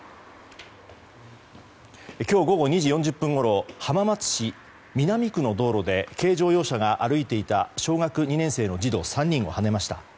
今日午後２時４０分ごろ浜松市南区の道路で軽乗用車が歩いていた小学２年生の児童３人をはねました。